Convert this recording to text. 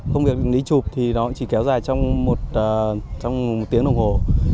công việc đi chụp thì nó chỉ kéo dài trong một tiếng đồng hồ